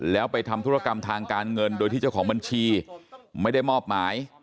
แล้วไปทำธุรกรรมทางการเงินโดยที่เจ้าของบัญชีไม่ได้มอบหมาย